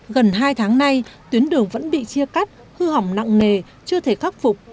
gần hai tháng nay tuyến đường vẫn bị chia cắt hư hỏng nặng nề chưa thể khắc phục